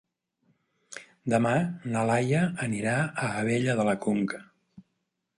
Demà na Laia anirà a Abella de la Conca.